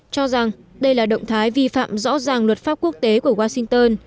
cho rằng đây là động thái vi phạm rõ ràng luật pháp quốc tế của washington